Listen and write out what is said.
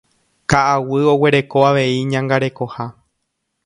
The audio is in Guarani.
Ka'aguy oguereko avei iñangarekoha.